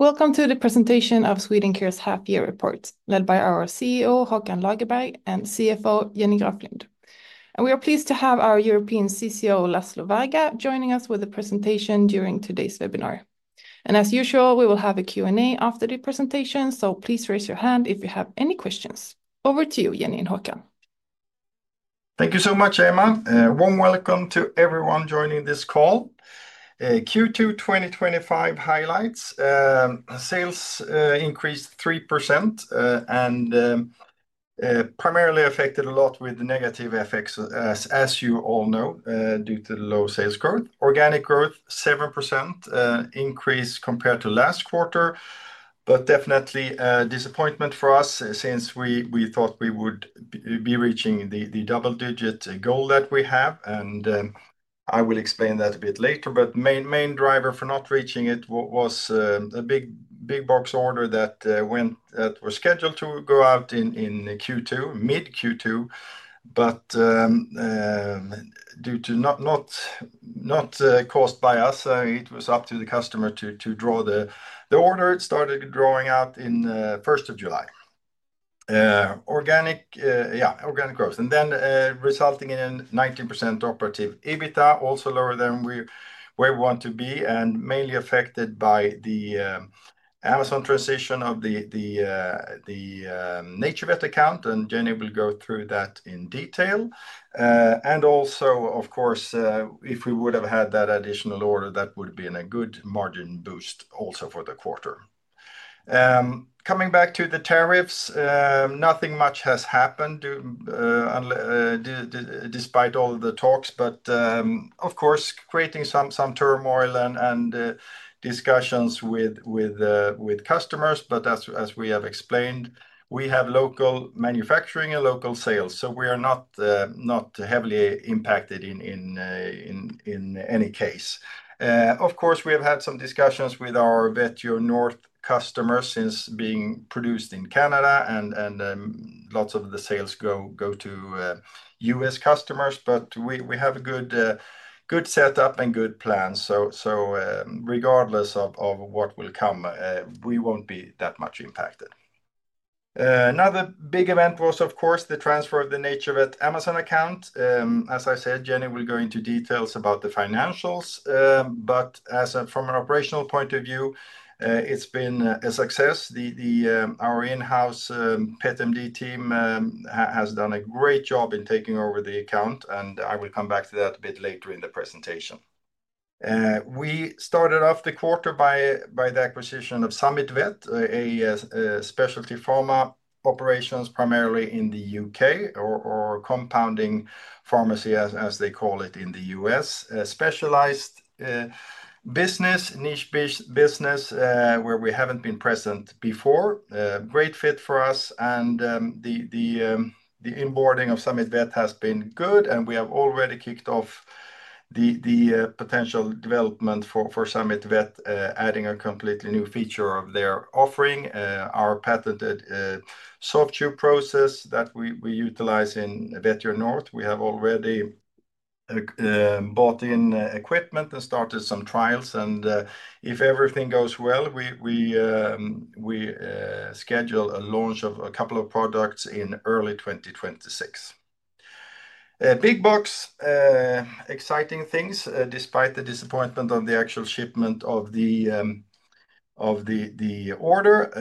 Welcome to the presentation of Swedencare's half-year report, led by our CEO Håkan Lagerberg and CFO Jenny Graflind. We are pleased to have our European CCO, Laszlo Varga, joining us with a presentation during today's webinar. As usual, we will have a Q&A after the presentation, so please raise your hand if you have any questions. Over to you, Jenny and Håkan. Thank you so much, Emma. Warm welcome to everyone joining this call. Q2 2025 highlights. Sales increased 3% and primarily affected a lot with the negative effects, as you all know, due to the low sales growth. Organic growth 7% increase compared to last quarter, but definitely a disappointment for us since we thought we would be reaching the double-digit goal that we have. I will explain that a bit later, but the main driver for not reaching it was a big box order that was scheduled to go out in mid-Q2, but due to not caused by us, it was up to the customer to draw the order. It started drawing out in the 1st of July. Organic growth and then resulting in a 19% operative EBITDA, also lower than where we want to be, and mainly affected by the Amazon transition of the NaturVet account, and Jenny will go through that in detail. Also, of course, if we would have had that additional order, that would have been a good margin boost also for the quarter. Coming back to the tariffs, nothing much has happened despite all the talks, but of course, creating some turmoil and discussions with customers. As we have explained, we have local manufacturing and local sales, so we are not heavily impacted in any case. We have had some discussions with our Vetio North customers since being produced in Canada, and lots of the sales go to U.S. customers, but we have a good setup and good plans. Regardless of what will come, we won't be that much impacted. Another big event was, of course, the transfer of the NaturVet Amazon account. As I said, Jenny will go into details about the financials, but from an operational point of view, it's been a success. Our in-house Pet MD team has done a great job in taking over the account, and I will come back to that a bit later in the presentation. We started off the quarter by the acquisition of Summit Vet, a specialty pharma operations primarily in the U.K., or compounding pharmacy, as they call it in the U.S. A specialized business, niche business, where we haven't been present before. Great fit for us, and the onboarding of Summit Vet has been good, and we have already kicked off the potential development for Summit Vet, adding a completely new feature of their offering, our patented soft tube process that we utilize in Vetio North. We have already bought in equipment and started some trials, and if everything goes well, we schedule a launch of a couple of products in early 2026. Big box, exciting things, despite the disappointment on the actual shipment of the order.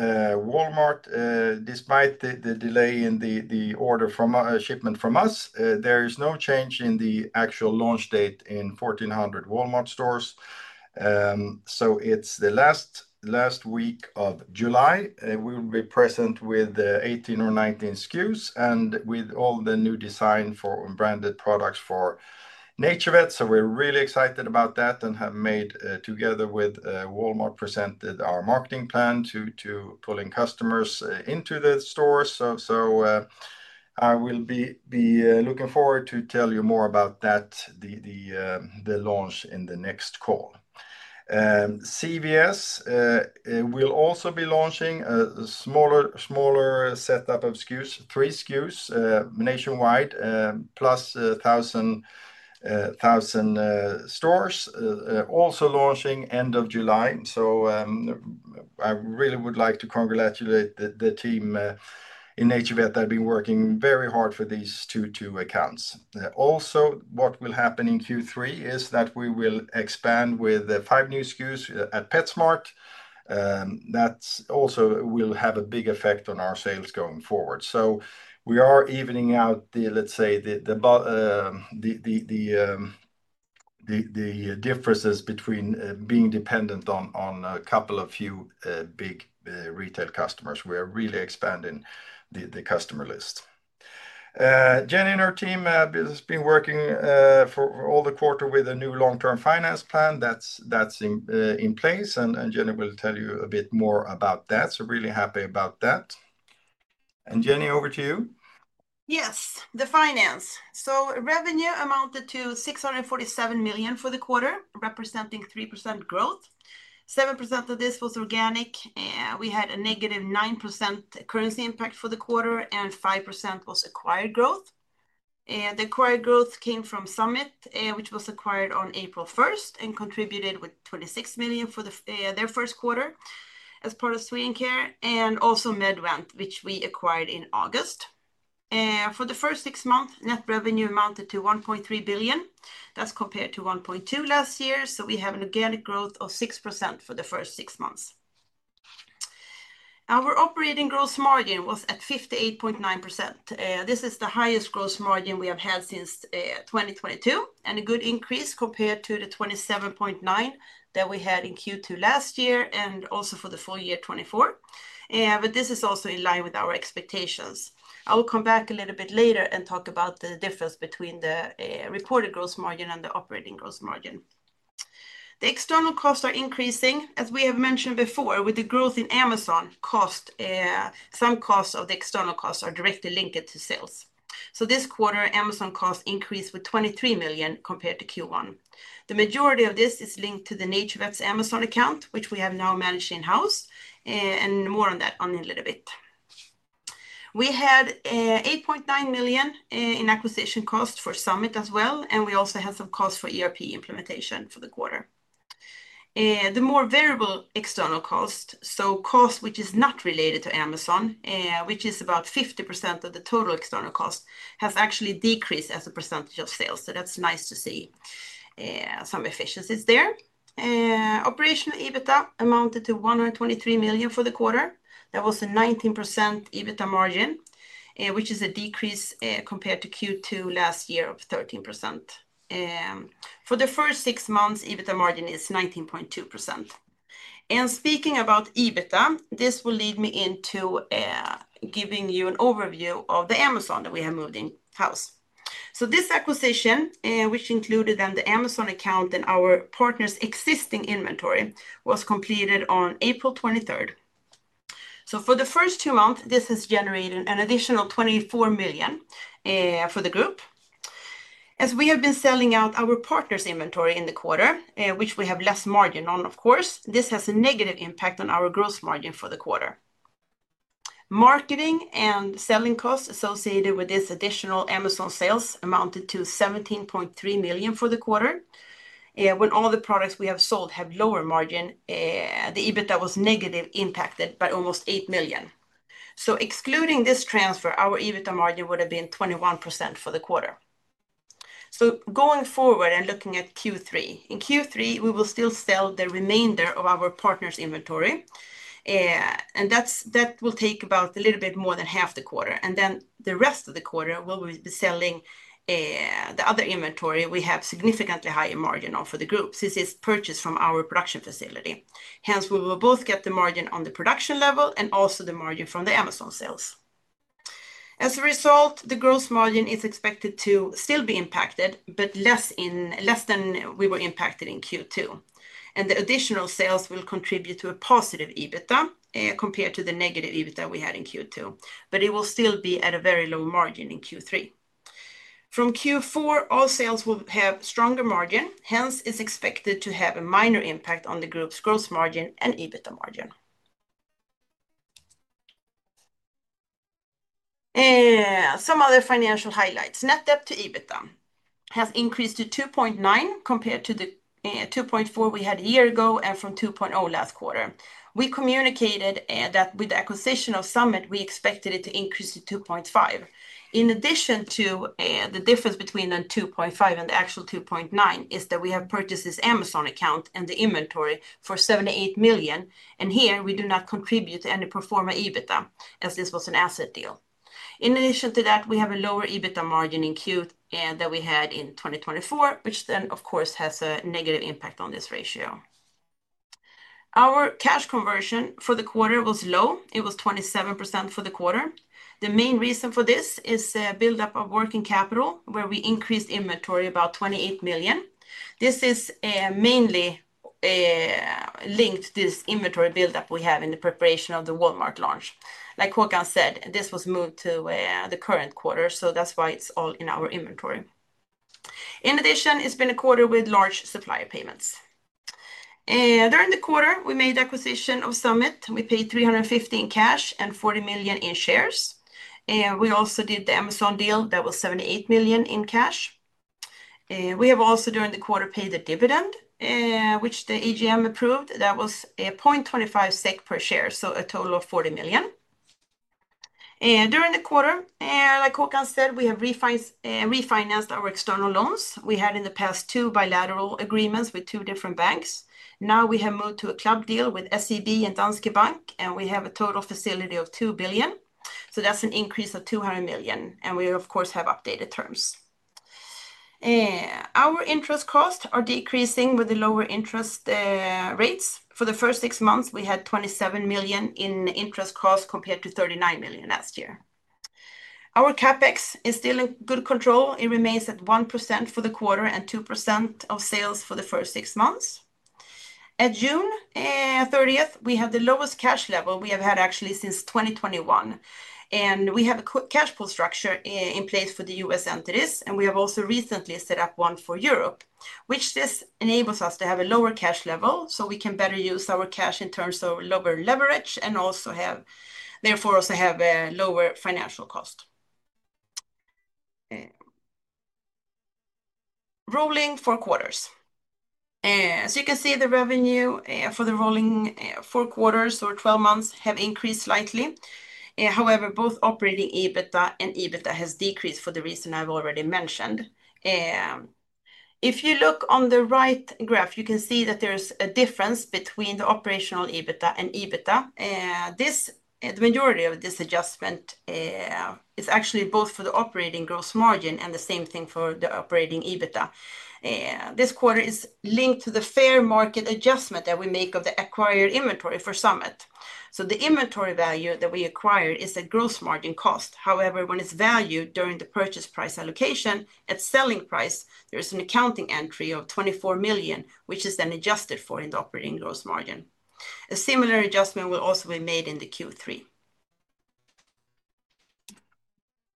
Walmart, despite the delay in the order from shipment from us, there is no change in the actual launch date in 1,400 Walmart stores. It's the last week of July. We will be present with 18 or 19 SKUs and with all the new design for branded products for NaturVet, so we're really excited about that and have made together with Walmart presented our marketing plan to pull in customers into the stores. I will be looking forward to tell you more about that, the launch in the next call. CVS will also be launching a smaller setup of SKUs, three SKUs nationwide plus 1,000 stores, also launching end of July. I really would like to congratulate the team in NaturVet that have been working very hard for these two accounts. Also, what will happen in Q3 is that we will expand with five new SKUs at PetSmart. That also will have a big effect on our sales going forward. We are evening out the, let's say, the differences between being dependent on a couple of few big retail customers. We are really expanding the customer list. Jenny and her team have been working for all the quarter with a new long-term finance plan that's in place, and Jenny will tell you a bit more about that. Really happy about that. Jenny, over to you. Yes, the finance. Revenue amounted to 647 million for the quarter, representing 3% growth. 7% of this was organic. We had a -9% currency impact for the quarter, and 5% was acquired growth. The acquired growth came from Summit, which was acquired on April 1st and contributed with 26 million for their first quarter as part of Swedencare, and also MedVant, which we acquired in August. For the first six months, net revenue amounted to 1.3 billion. That's compared to 1.2 billion last year. We have an organic growth of 6% for the first six months. Our operating gross margin was at 58.9%. This is the highest gross margin we have had since 2022, and a good increase compared to the 57.9% that we had in Q2 last year and also for the full year 2024. This is also in line with our expectations. I'll come back a little bit later and talk about the difference between the reported gross margin and the operating gross margin. The external costs are increasing. As we have mentioned before, with the growth in Amazon, some of the external costs are directly linked to sales. This quarter, Amazon costs increased by 23 million compared to Q1. The majority of this is linked to the NaturVet Amazon account, which we have now managed in-house, and more on that in a little bit. We had 8.9 million in acquisition costs for Summit as well, and we also had some costs for ERP implementation for the quarter. The more variable external costs, so costs which are not related to Amazon, which is about 50% of the total external costs, have actually decreased as a percentage of sales. It's nice to see some efficiencies there. Operational EBITDA amounted to 123 million for the quarter. That was a 19% EBITDA margin, which is a decrease compared to Q2 last year of 23%. For the first six months, EBITDA margin is 19.2%. Speaking about EBITDA, this will lead me into giving you an overview of the Amazon that we have moved in-house. This acquisition, which included the Amazon account and our partner's existing inventory, was completed on April 23rd. For the first two months, this has generated an additional 24 million for the group. As we have been selling out our partner's inventory in the quarter, which we have less margin on, this has a negative impact on our gross margin for the quarter. Marketing and selling costs associated with this additional Amazon sales amounted to 17.3 million for the quarter. When all the products we have sold have lower margin, the EBITDA was negatively impacted by almost 8 million. Excluding this transfer, our EBITDA margin would have been 21% for the quarter. Going forward and looking at Q3, in Q3, we will still sell the remainder of our partner's inventory, and that will take about a little bit more than half the quarter. The rest of the quarter, we'll be selling the other inventory we have significantly higher margin on for the group since it's purchased from our production facility. Hence, we will both get the margin on the production level and also the margin from the Amazon sales. As a result, the gross margin is expected to still be impacted, but less than we were impacted in Q2. The additional sales will contribute to a positive EBITDA compared to the negative EBITDA we had in Q2. It will still be at a very low margin in Q3. From Q4, all sales will have stronger margin. Hence, it's expected to have a minor impact on the group's gross margin and EBITDA margin. Some other financial highlights. Net debt to EBITDA has increased to 2.9 compared to the 2.4 we had a year ago and from 2.0 last quarter. We communicated that with the acquisition of Summit, we expected it to increase to 2.5. The difference between 2.5 and the actual 2.9 is that we have purchased this Amazon account and the inventory for 78 million. Here we do not contribute to any pro forma EBITDA as this was an asset deal. In addition to that, we have a lower EBITDA margin in Q2 than we had in 2024, which then, of course, has a negative impact on this ratio. Our cash conversion for the quarter was low. It was 27% for the quarter. The main reason for this is a buildup of working capital where we increased inventory about 28 million. This is mainly linked to this inventory buildup we have in the preparation of the Walmart launch. Like Håkan said, this was moved to the current quarter, so that's why it's all in our inventory. In addition, it's been a quarter with large supplier payments. During the quarter, we made the acquisition of Summit. We paid 350 million in cash and 40 million in shares. We also did the Amazon deal. That was 78 million in cash. We have also, during the quarter, paid a dividend, which the AGM approved. That was 0.25 SEK per share, so a total of 40 million. During the quarter, like Håkan said, we have refinanced our external loans. We had in the past two bilateral agreements with two different banks. Now we have moved to a club deal with SEB and Danske Bank, and we have a total facility of 2 billion. That's an increase of 200 million, and we, of course, have updated terms. Our interest costs are decreasing with the lower interest rates. For the first six months, we had 27 million in interest costs compared to 39 million last year. Our CapEx is still in good control. It remains at 1% for the quarter and 2% of sales for the first six months. At June 30th, we have the lowest cash level we have had actually since 2021. We have a cash pool structure in place for the U.S. entities, and we have also recently set up one for Europe, which enables us to have a lower cash level so we can better use our cash in terms of lower leverage and also have, therefore, also have a lower financial cost. Rolling four quarters. As you can see, the revenue for the rolling four quarters or 12 months has increased slightly. However, both operating EBITDA and EBITDA have decreased for the reason I've already mentioned. If you look on the right graph, you can see that there's a difference between the operational EBITDA and EBITDA. The majority of this adjustment is actually both for the operating gross margin and the same thing for the operating EBITDA. This quarter is linked to the fair market adjustment that we make of the acquired inventory for Summit Vet. The inventory value that we acquire is a gross margin cost. However, when it's valued during the purchase price allocation at selling price, there is an accounting entry of 24 million, which is then adjusted for in the operating gross margin. A similar adjustment will also be made in Q3.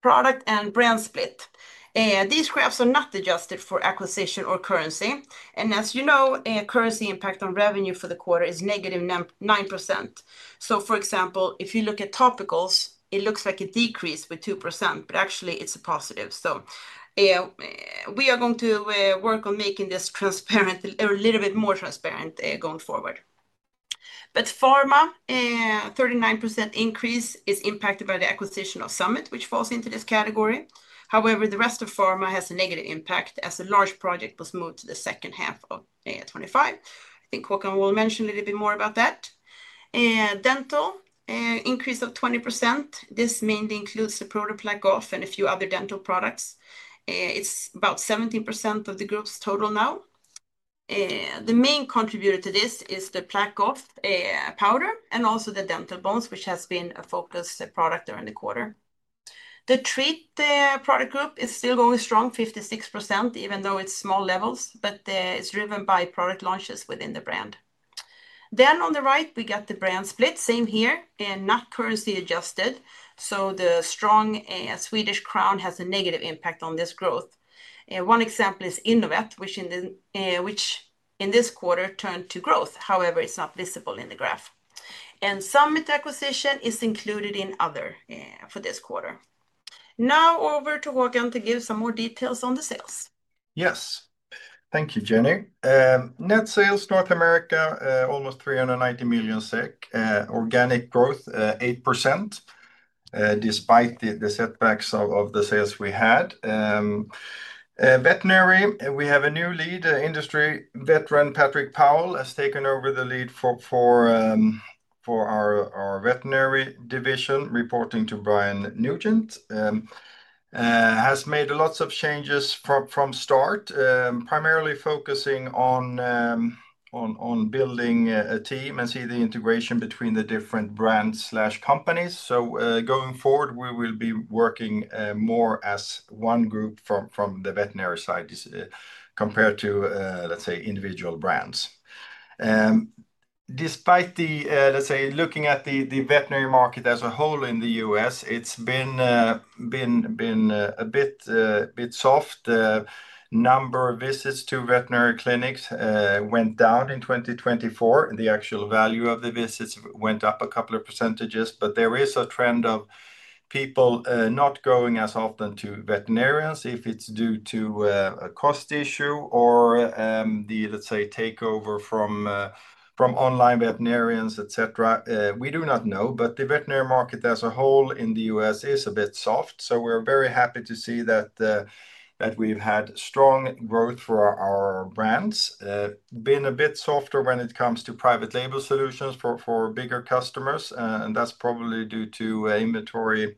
Product and brand split. These graphs are not adjusted for acquisition or currency. As you know, currency impact on revenue for the quarter is -9%. For example, if you look at topicals, it looks like a decrease with 2%, but actually, it's a positive. We are going to work on making this a little bit more transparent going forward. Pharma, a 39% increase, is impacted by the acquisition of Summit, which falls into this category. However, the rest of pharma has a negative impact as a large project was moved to the second half of 2025. I think Håkan will mention a little bit more about that. Dental, an increase of 20%. This mainly includes the ProDen PlaqueOff and a few other dental products. It's about 17% of the group's total now. The main contributor to this is the PlaqueOff powder and also the dental bones, which has been a focus product during the quarter. The treat product group is still going strong, 56%, even though it's small levels, but it's driven by product launches within the brand. On the right, we got the brand split. Same here, not currency adjusted. The strong Swedish krona has a negative impact on this growth. One example is Innovet, which in this quarter turned to growth. However, it's not visible in the graph. The Summit acquisition is included in other for this quarter. Now over to Håkan to give some more details on the sales. Yes. Thank you, Jenny. Net sales North America, almost 390 million SEK. Organic growth, 8% despite the setbacks of the sales we had. Veterinary, we have a new lead. Industry veteran Patrick Powell has taken over the lead for our veterinary division, reporting to Brian Nugent. He has made lots of changes from start, primarily focusing on building a team and seeing the integration between the different brands/companies. Going forward, we will be working more as one group from the veterinary side compared to, let's say, individual brands. Despite the, let's say, looking at the veterinary market as a whole in the U.S., it's been a bit soft. The number of visits to veterinary clinics went down in 2024. The actual value of the visits went up a couple of percentages, but there is a trend of people not going as often to veterinarians if it's due to a cost issue or the, let's say, takeover from online veterinarians, etc. We do not know, but the veterinary market as a whole in the U.S. is a bit soft. We're very happy to see that we've had strong growth for our brands. Been a bit softer when it comes to private label solutions for bigger customers, and that's probably due to inventory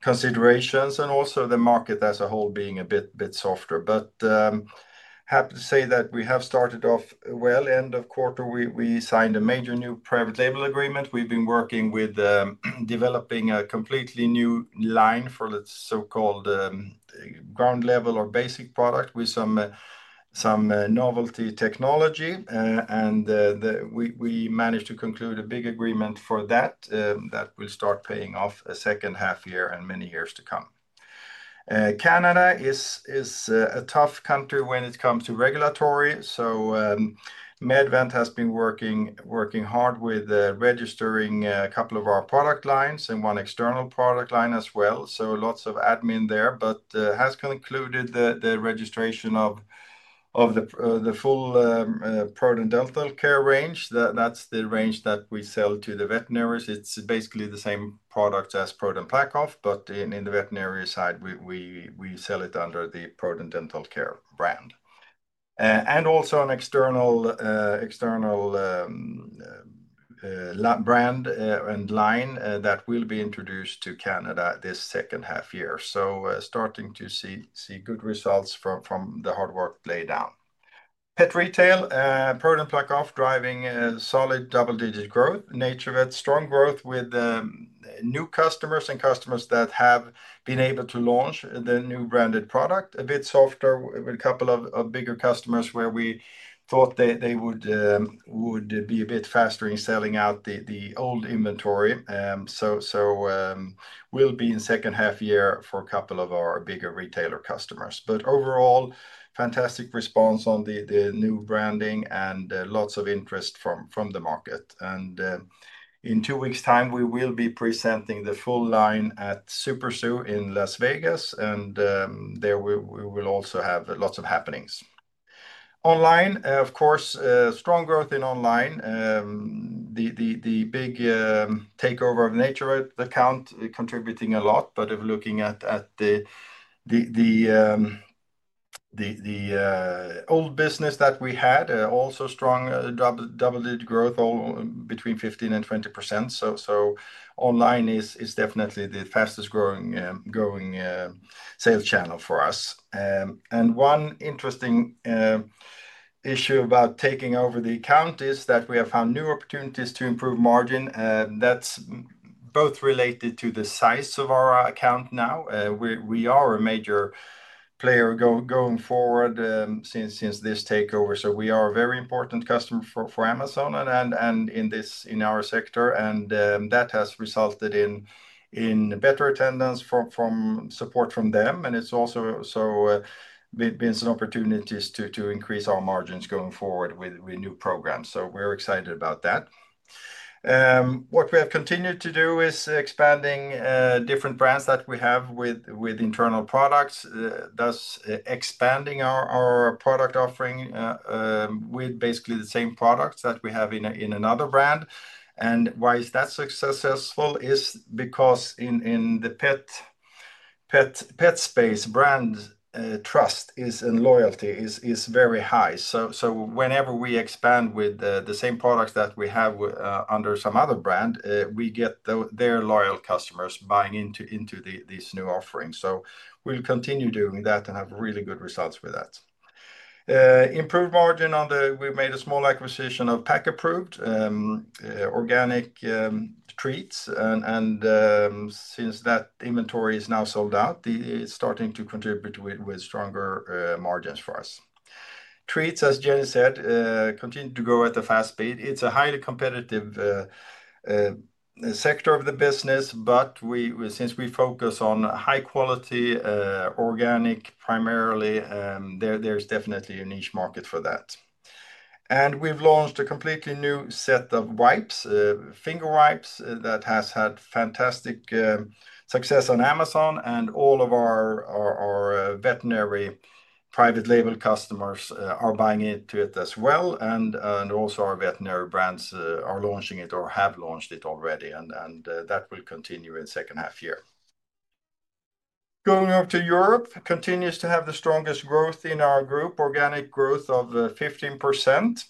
considerations and also the market as a whole being a bit softer. Happy to say that we have started off well. End of quarter, we signed a major new private label agreement. We've been working with developing a completely new line for the so-called ground level or basic product with some novelty technology. We managed to conclude a big agreement for that. That will start paying off a second half year and many years to come. Canada is a tough country when it comes to regulatory. MedVant has been working hard with registering a couple of our product lines and one external product line as well. Lots of admin there, but has concluded the registration of the full ProDen Dental Care range. That's the range that we sell to the veterinaries. It's basically the same product as ProDen PlaqueOff, but on the veterinary side, we sell it under the ProDen Dental Care brand. Also an external brand and line that will be introduced to Canada this second half year. Starting to see good results from the hard work laid down. Pet retail, ProDen PlaqueOff driving solid double-digit growth. NaturVet, strong growth with new customers and customers that have been able to launch the new branded product. A bit softer with a couple of bigger customers where we thought they would be a bit faster in selling out the old inventory. We will be in second half year for a couple of our bigger retailer customers. Overall, fantastic response on the new branding and lots of interest from the market. In two weeks' time, we will be presenting the full line at SuperZoo in Las Vegas, and there we will also have lots of happenings. Online, of course, strong growth in online. The big takeover of NaturVet account contributing a lot, but if we're looking at the old business that we had, also strong double-digit growth between 15% and 20%. Online is definitely the fastest growing sales channel for us. One interesting issue about taking over the account is that we have found new opportunities to improve margin. That's both related to the size of our account now. We are a major player going forward since this takeover. We are a very important customer for Amazon and in our sector, and that has resulted in better attendance from support from them. It's also been some opportunities to increase our margins going forward with new programs. We're excited about that. What we have continued to do is expanding different brands that we have with internal products, thus expanding our product offering with basically the same products that we have in another brand. Why is that successful? It's because in the pet space, brand trust and loyalty is very high. Whenever we expand with the same products that we have under some other brand, we get their loyal customers buying into these new offerings. We'll continue doing that and have really good results with that. Improved margin on the, we've made a small acquisition of Pack Approved organic treats. Since that inventory is now sold out, it's starting to contribute with stronger margins for us. Treats, as Jenny said, continue to grow at a fast speed. It's a highly competitive sector of the business, but since we focus on high-quality organic primarily, there's definitely a niche market for that. We've launched a completely new set of wipes, finger wipes that has had fantastic success on Amazon, and all of our veterinary private label customers are buying into it as well. Also, our veterinary brands are launching it or have launched it already, and that will continue in the second half year. Going off to Europe, it continues to have the strongest growth in our group, organic growth of 15%,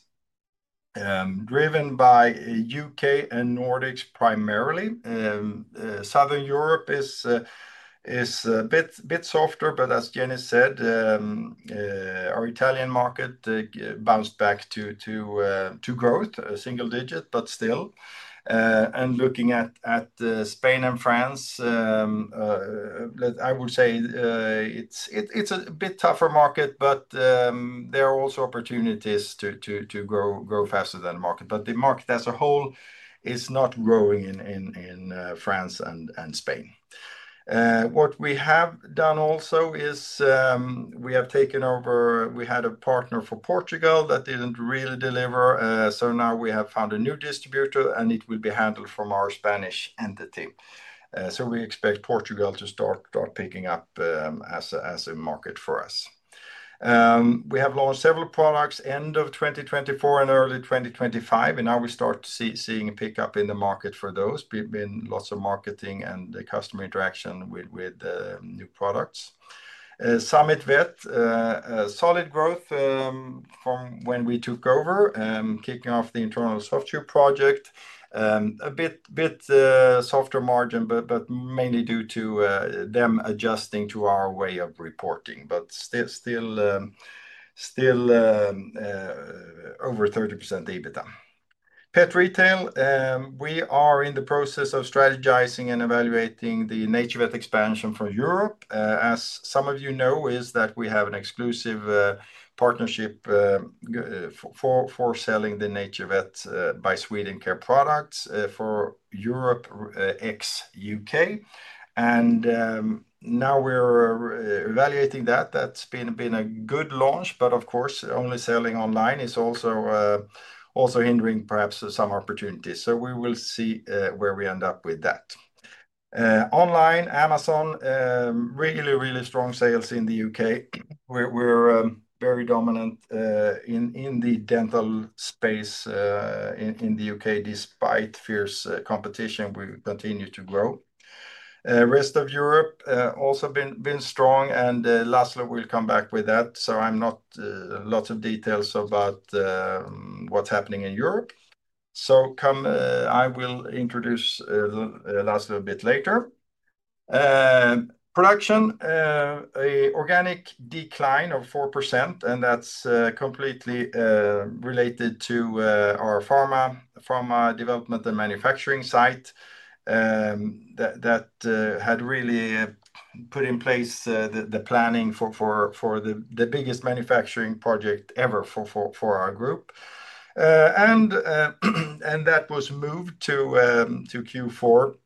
driven by U.K. and Nordics primarily. Southern Europe is a bit softer, but as Jenny said, our Italian market bounced back to growth, a single digit, but still. Looking at Spain and France, I would say it's a bit tougher market, but there are also opportunities to grow faster than the market. The market as a whole is not growing in France and Spain. What we have done also is we have taken over, we had a partner for Portugal that didn't really deliver. Now we have found a new distributor, and it will be handled from our Spanish entity. We expect Portugal to start picking up as a market for us. We have launched several products end of 2024 and early 2025, and now we start seeing a pickup in the market for those. Lots of marketing and customer interaction with new products. Summit Vet, solid growth from when we took over, kicking off the internal software project. A bit softer margin, but mainly due to them adjusting to our way of reporting. Still over 30% EBITDA. Pet retail, we are in the process of strategizing and evaluating the NaturVet expansion for Europe. As some of you know, we have an exclusive partnership for selling the NaturVet by Swedencare products for Europe ex-U.K. Now we're evaluating that. That's been a good launch, but of course, only selling online is also hindering perhaps some opportunities. We will see where we end up with that. Online, Amazon, really, really strong sales in the U.K. We're very dominant in the dental space in the U.K. despite fierce competition. We continue to grow. The rest of Europe also has been strong, and Laszlo will come back with that. I'm not in lots of details about what's happening in Europe. I will introduce Laszlo a bit later. Production, organic decline of 4%, and that's completely related to our pharma development and manufacturing site that had really put in place the planning for the biggest manufacturing project ever for our group. That was moved to Q4.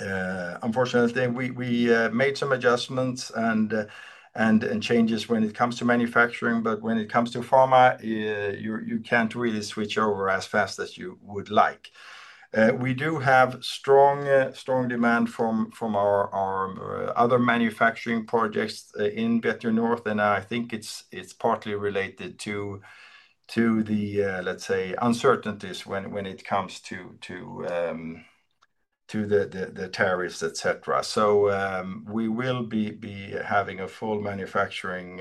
Unfortunately, we made some adjustments and changes when it comes to manufacturing, but when it comes to pharma, you can't really switch over as fast as you would like. We do have strong demand from our other manufacturing projects in Vetio North, and I think it's partly related to the, let's say, uncertainties when it comes to the tariffs, etc. We will be having a full manufacturing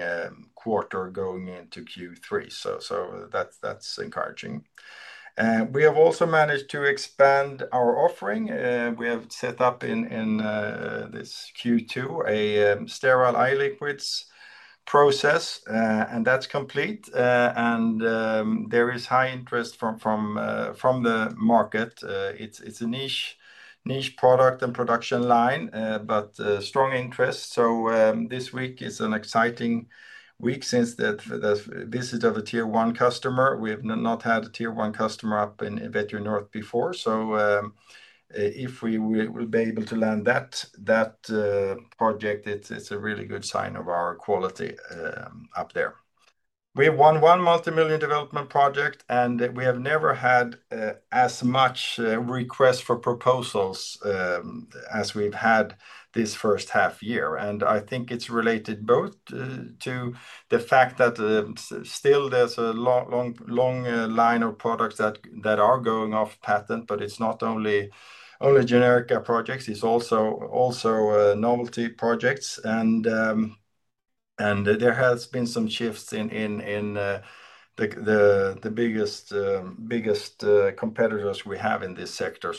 quarter going into Q3. That's encouraging. We have also managed to expand our offering. We have set up in this Q2 a sterile eye liquids process, and that's complete. There is high interest from the market. It's a niche product and production line, but strong interest. This week is an exciting week since this is of a tier one customer. We have not had a tier one customer up in Vetio North before. If we will be able to land that project, it's a really good sign of our quality up there. We've won one multimillion development project, and we have never had as many requests for proposals as we've had this first half year. I think it's related both to the fact that still there's a long line of products that are going off patent, but it's not only generic projects. It's also novelty projects. There have been some shifts in the biggest competitors we have in this sector.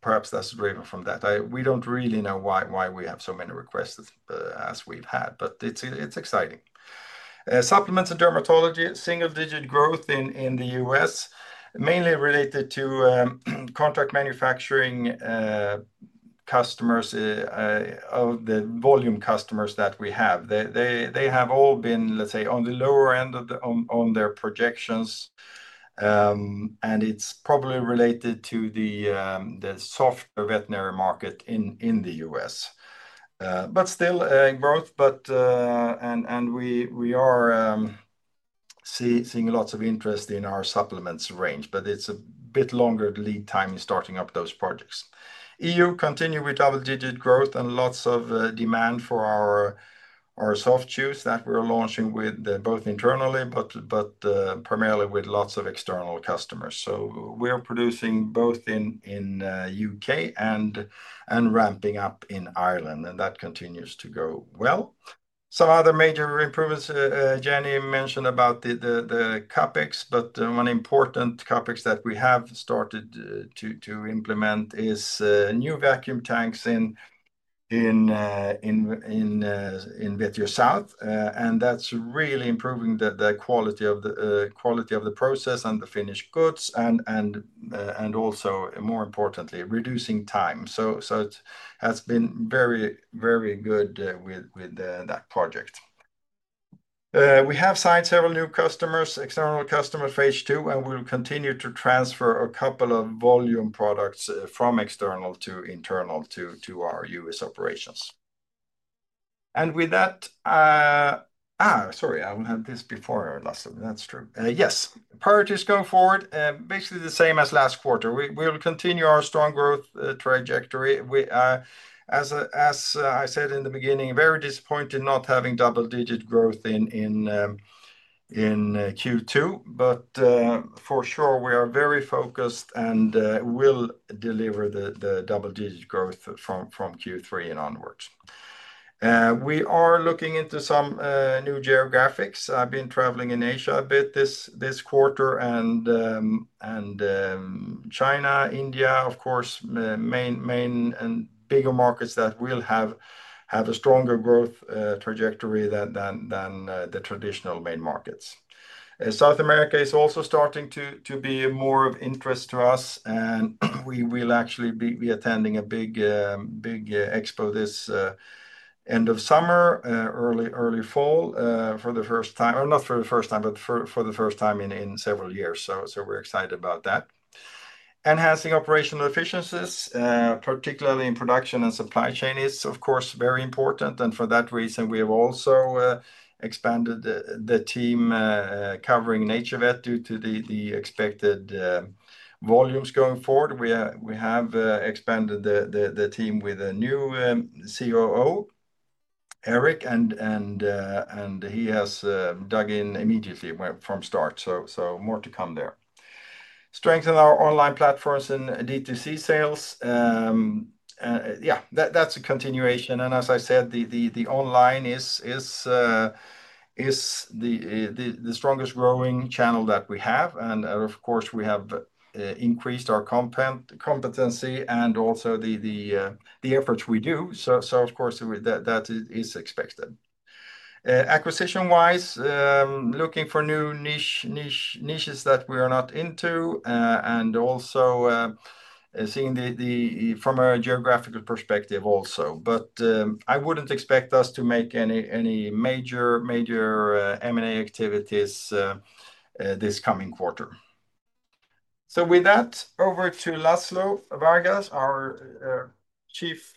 Perhaps that's driven from that. We don't really know why we have so many requests as we've had, but it's exciting. Supplements and dermatology, single-digit growth in the U.S., mainly related to contract manufacturing customers, the volume customers that we have. They have all been, let's say, on the lower end of their projections, and it's probably related to the soft veterinary market in the U.S. Still in growth, and we are seeing lots of interest in our supplements range, but it's a bit longer lead time in starting up those projects. EU, continue with double-digit growth and lots of demand for our soft chews that we're launching with both internally, but primarily with lots of external customers. We're producing both in the U.K. and ramping up in Ireland, and that continues to go well. Some other major improvements, Jenny mentioned about the CapEx, but one important CapEx that we have started to implement is new vacuum tanks in Vetio South, and that's really improving the quality of the process and the finished goods, and also, more importantly, reducing time. It has been very, very good with that project. We have signed several new customers, external customers for H2, and we'll continue to transfer a couple of volume products from external to internal to our U.S. operations. With that, sorry, I will have this before I lasted. That's true. Yes, priorities going forward, basically the same as last quarter. We'll continue our strong growth trajectory. As I said in the beginning, very disappointed not having double-digit growth in Q2, but for sure, we are very focused and will deliver the double-digit growth from Q3 and onwards. We are looking into some new geographics. I've been traveling in Asia a bit this quarter, and China, India, of course, main and bigger markets that will have a stronger growth trajectory than the traditional main markets. South America is also starting to be more of interest to us, and we will actually be attending a big expo this end of summer, early fall, for the first time in several years. We are excited about that. Enhancing operational efficiencies, particularly in production and supply chain, is, of course, very important. For that reason, we have also expanded the team covering NaturVet due to the expected volumes going forward. We have expanded the team with a new COO, Eric, and he has dug in immediately from start. More to come there. Strengthen our online platforms and D2C sales. Yeah, that's a continuation. As I said, the online is the strongest growing channel that we have. Of course, we have increased our competency and also the efforts we do. That is expected. Acquisition-wise, looking for new niches that we are not into, and also seeing from a geographical perspective also. I wouldn't expect us to make any major, major M&A activities this coming quarter. With that, over to Laszlo Varga, our Chief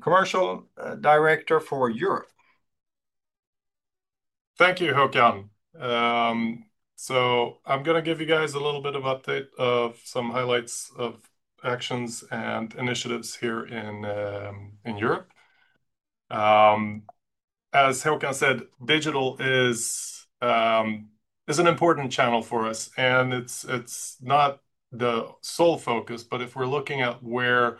Commercial Director for Europe. Thank you, Håkan. I'm going to give you guys a little bit of update of some highlights of actions and initiatives here in Europe. As Håkan said, digital is an important channel for us. It's not the sole focus, but if we're looking at where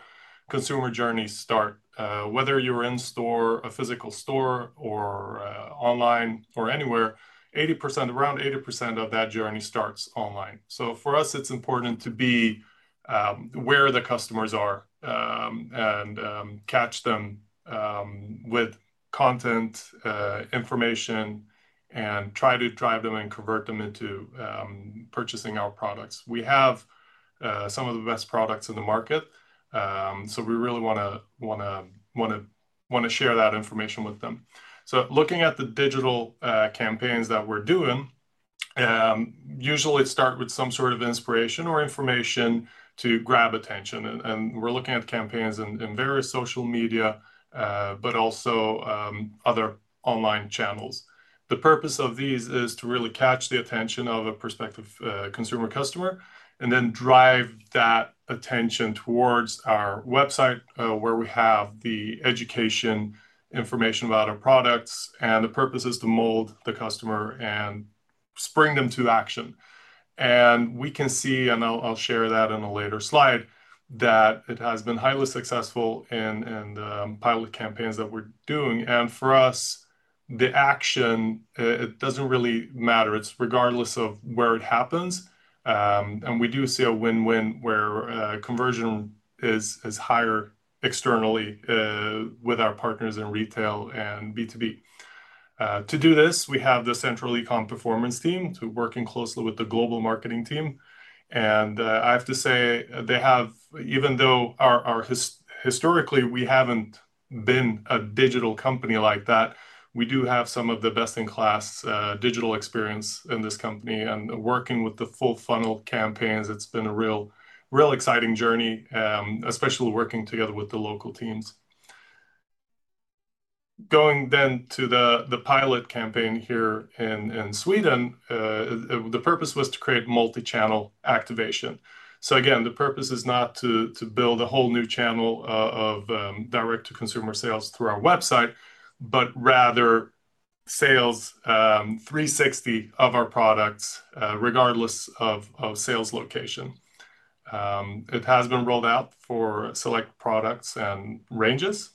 consumer journeys start, whether you're in-store, a physical store, or online, or anywhere, around 80% of that journey starts online. For us, it's important to be where the customers are and catch them with content, information, and try to drive them and convert them into purchasing our products. We have some of the best products in the market. We really want to share that information with them. Looking at the digital campaigns that we're doing, usually start with some sort of inspiration or information to grab attention. We're looking at campaigns in various social media, but also other online channels. The purpose of these is to really catch the attention of a prospective consumer customer and then drive that attention towards our website where we have the education information about our products. The purpose is to mold the customer and spring them to action. We can see, and I'll share that in a later slide, that it has been highly successful in pilot campaigns that we're doing. For us, the action, it doesn't really matter. It's regardless of where it happens. We do see a win-win where conversion is higher externally with our partners in retail and B2B. To do this, we have the Central Ecomm Performance Team working closely with the global marketing team. I have to say, they have, even though historically we haven't been a digital company like that, we do have some of the best-in-class digital experience in this company. Working with the full funnel campaigns, it's been a real, real exciting journey, especially working together with the local teams. Going then to the pilot campaign here in Sweden, the purpose was to create multi-channel activation. Again, the purpose is not to build a whole new channel of direct-to-consumer sales through our website, but rather sales 360 of our products regardless of sales location. It has been rolled out for select products and ranges.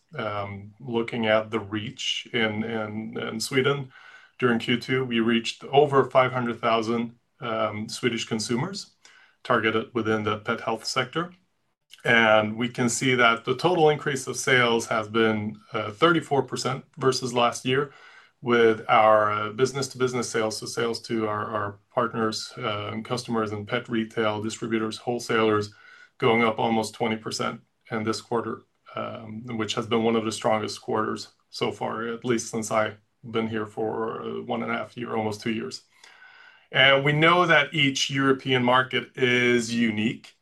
Looking at the reach in Sweden, during Q2, we reached over 500,000 Swedish consumers targeted within the pet health sector. We can see that the total increase of sales has been 34% versus last year with our business-to-business sales, so sales to our partners and customers and pet retail distributors, wholesalers going up almost 20% in this quarter, which has been one of the strongest quarters so far, at least since I've been here for one and a half years, almost two years. We know that each European market is unique.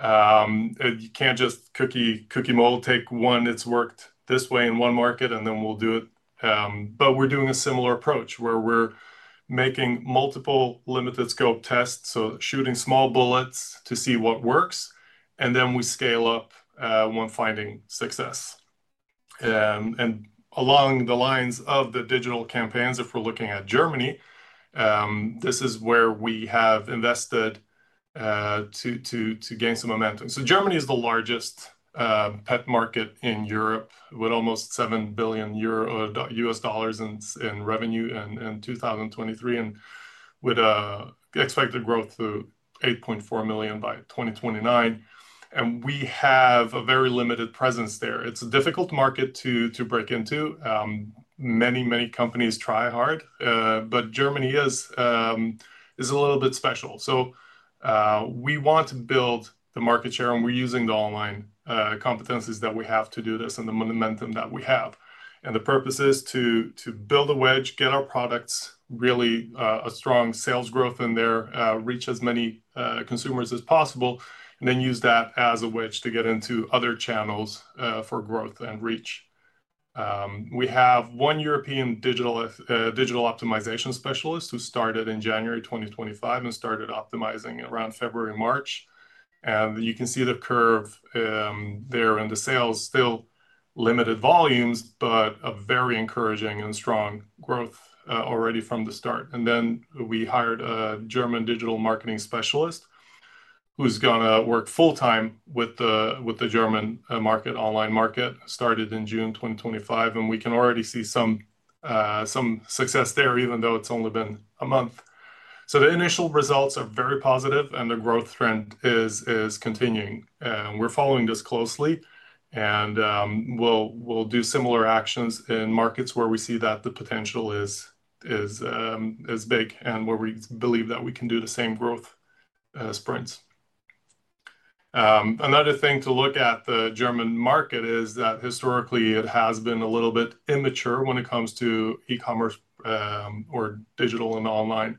You can't just cookie mold, take one, it's worked this way in one market, and then we'll do it. We're doing a similar approach where we're making multiple limited scope tests, shooting small bullets to see what works, and then we scale up when finding success. Along the lines of the digital campaigns, if we're looking at Germany, this is where we have invested to gain some momentum. Germany is the largest pet market in Europe with almost $7 billion in revenue in 2023 and with expected growth to $8.4 billion by 2029. We have a very limited presence there. It's a difficult market to break into. Many, many companies try hard, but Germany is a little bit special. We want to build the market share, and we're using the online competencies that we have to do this and the momentum that we have. The purpose is to build a wedge, get our products really a strong sales growth in there, reach as many consumers as possible, and then use that as a wedge to get into other channels for growth and reach. We have one European digital optimization specialist who started in January 2025 and started optimizing around February-March. You can see the curve there in the sales, still limited volumes, but a very encouraging and strong growth already from the start. We hired a German digital marketing specialist who is going to work full-time with the German market, online market, started in June 2025. We can already see some success there, even though it's only been a month. The initial results are very positive, and the growth trend is continuing. We're following this closely, and we'll do similar actions in markets where we see that the potential is big and where we believe that we can do the same growth sprints. Another thing to look at in the German market is that historically it has been a little bit immature when it comes to e-commerce or digital and online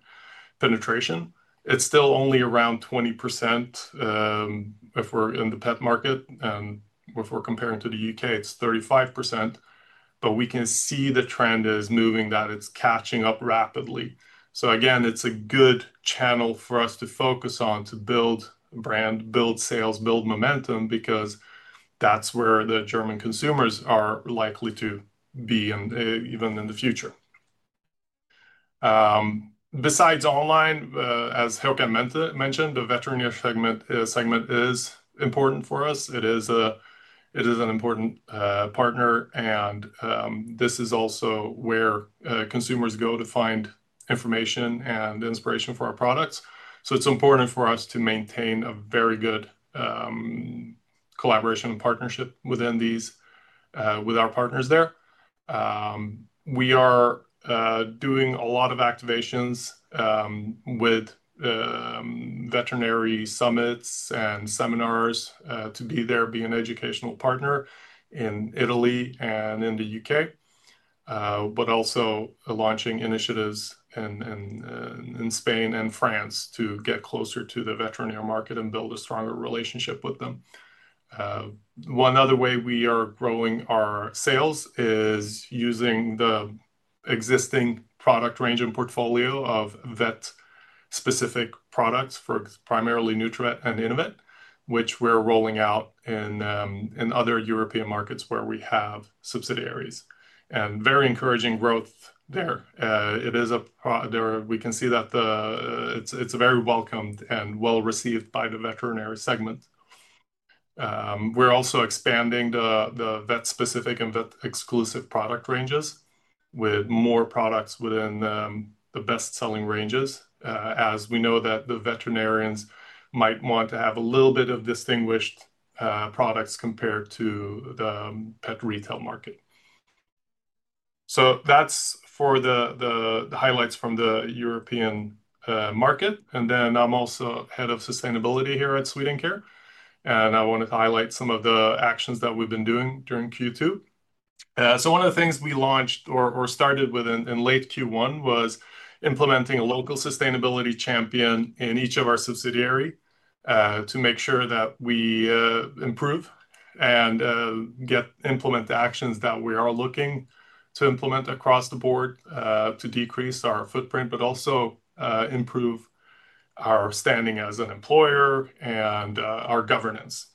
penetration. It's still only around 20% if we're in the pet market. If we're comparing to the U.K., it's 35%. We can see the trend is moving, that it's catching up rapidly. It's a good channel for us to focus on to build brand, build sales, build momentum because that's where the German consumers are likely to be even in the future. Besides online, as Håkan mentioned, the veterinary segment is important for us. It is an important partner, and this is also where consumers go to find information and inspiration for our products. It's important for us to maintain a very good collaboration and partnership with our partners there. We are doing a lot of activations with veterinary summits and seminars to be there, be an educational partner in Italy and in the U.K., but also launching initiatives in Spain and France to get closer to the veterinary market and build a stronger relationship with them. One other way we are growing our sales is using the existing product range and portfolio of vet-specific products for primarily nutravet and Innovet, which we're rolling out in other European markets where we have subsidiaries. Very encouraging growth there. We can see that it's very welcomed and well received by the veterinary segment. We're also expanding the vet-specific and vet-exclusive product ranges with more products within the best-selling ranges, as we know that the veterinarians might want to have a little bit of distinguished products compared to the pet retail market. That's for the highlights from the European market. I'm also Head of Sustainability here at Swedencare, and I wanted to highlight some of the actions that we've been doing during Q2. One of the things we launched or started with in late Q1 was implementing a local sustainability champion in each of our subsidiaries to make sure that we improve and implement the actions that we are looking to implement across the board to decrease our footprint, but also improve our standing as an employer and our governance.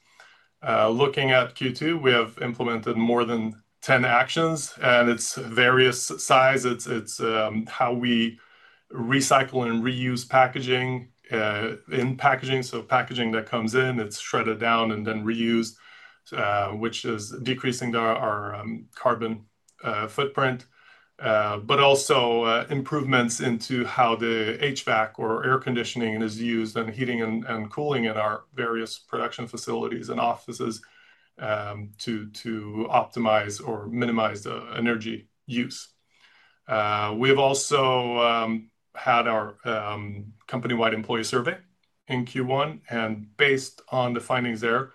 Looking at Q2, we have implemented more than 10 actions, and it's various sizes. It's how we recycle and reuse packaging in packaging. Packaging that comes in, it's shredded down and then reused, which is decreasing our carbon footprint, but also improvements into how the HVAC or air conditioning is used and heating and cooling in our various production facilities and offices to optimize or minimize the energy use. We've also had our company-wide employee survey in Q1, and based on the findings there,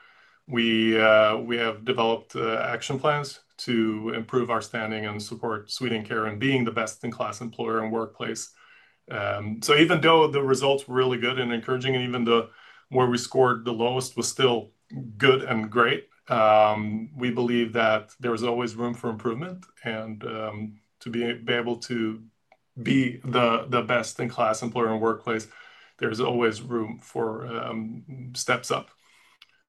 we have developed action plans to improve our standing and support Swedencare in being the best-in-class employer and workplace. Even though the results were really good and encouraging, even the one we scored the lowest was still good and great, we believe that there's always room for improvement. To be able to be the best-in-class employer in a workplace, there's always room for steps up.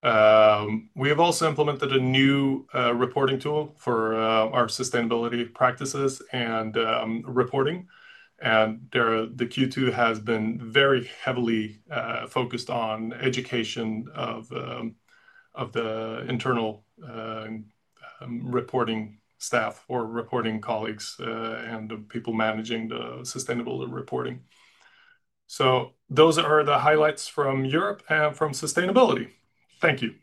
We have also implemented a new reporting tool for our sustainability practices and reporting. Q2 has been very heavily focused on education of the internal reporting staff or reporting colleagues and the people managing the sustainable reporting. Those are the highlights from Europe and from sustainability. Thank you.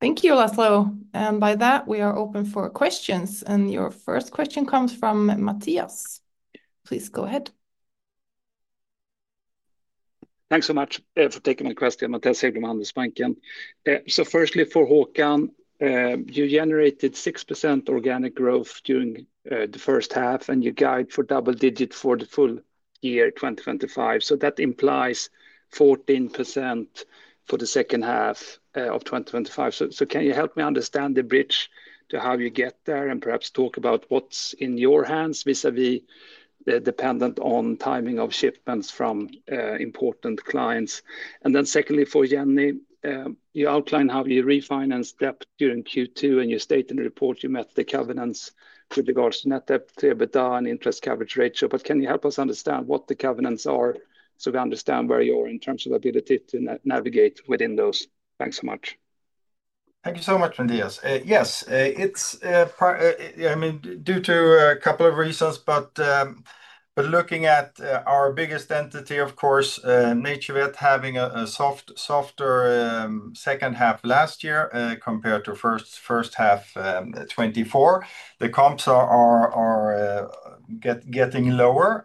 Thank you, Laszlo. By that, we are open for questions. Your first question comes from Mattias. Please go ahead. Thanks so much for taking my question, Mattias. Same from Handelsbanken. Firstly, for Håkan, you generated 6% organic growth during the first half, and you guide for double digits for the full year 2025. That implies 14% for the second half of 2025. Can you help me understand the bridge to how you get there and perhaps talk about what's in your hands, vis-à-vis dependent on timing of shipments from important clients? Secondly, for Jenny, you outline how you refinanced debt during Q2, and you state in the report you met the covenants with regards to net debt, EBITDA, and interest coverage ratio. Can you help us understand what the covenants are so we understand where you are in terms of ability to navigate within those? Thanks so much. Thank you so much, Mattias. Yes, it's due to a couple of reasons, but looking at our biggest entity, of course, NaturVet having a softer second half last year compared to first half 2024. The comps are getting lower.